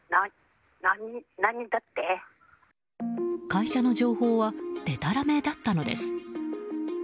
会社の情報はでたらめだったのです。